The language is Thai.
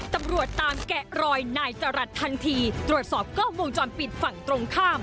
ตำรวจตามแกะรอยนายจรัสทันทีตรวจสอบกล้องวงจรปิดฝั่งตรงข้าม